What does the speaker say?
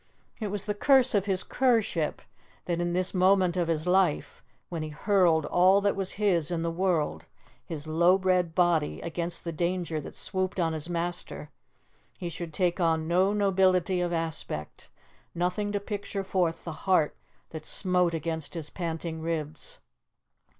It was the curse of his curship that in this moment of his life, when he hurled all that was his in the world his low bred body against the danger that swooped on his master, he should take on no nobility of aspect, nothing to picture forth the heart that smote against his panting ribs.